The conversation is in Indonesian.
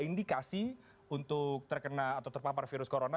indikasi untuk terkena atau terpapar virus corona